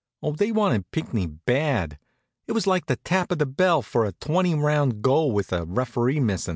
Oh, they wanted Pinckney bad! It was like the tap of the bell for a twenty round go with the referee missin'.